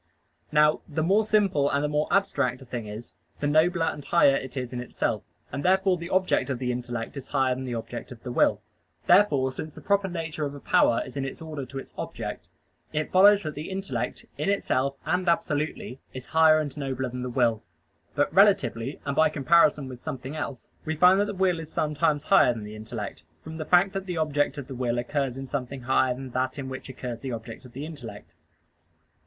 Now the more simple and the more abstract a thing is, the nobler and higher it is in itself; and therefore the object of the intellect is higher than the object of the will. Therefore, since the proper nature of a power is in its order to its object, it follows that the intellect in itself and absolutely is higher and nobler than the will. But relatively and by comparison with something else, we find that the will is sometimes higher than the intellect, from the fact that the object of the will occurs in something higher than that in which occurs the object of the intellect.